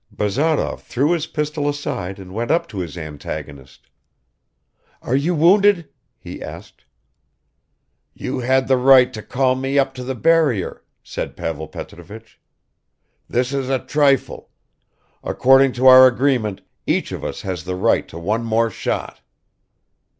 Bazarov threw his pistol aside and went up to his antagonist. "Are you wounded?" he asked. "You had the right to call me up to the barrier," said Pavel Petrovich. "This is a trifle. According to our agreement, each of us has the right to one more shot."